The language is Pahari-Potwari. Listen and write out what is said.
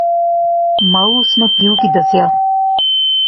مائو اس نے پیو کی دسیا